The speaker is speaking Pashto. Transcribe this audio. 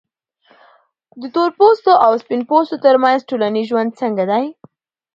د تورپوستو او سپین پوستو ترمنځ ټولنیز ژوند څنګه دی؟